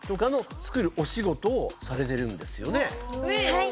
はい。